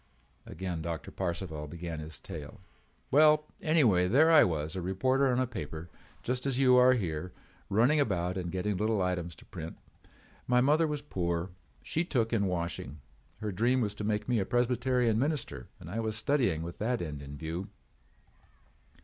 Again Doctor Parcival began his tale: "Well, anyway there I was, a reporter on a paper just as you are here, running about and getting little items to print. My mother was poor. She took in washing. Her dream was to make me a Presbyterian minister and I was studying with that end in view.